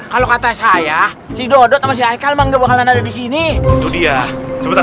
kalau kata saya si dodot masih akan menggabungkan ada di sini dia sebentar